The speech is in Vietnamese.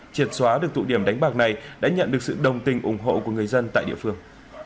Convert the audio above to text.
triệt xóa được tụ điểm đánh bạc này đã nhận được sự đồng tình ủng hộ của người dân tại địa phương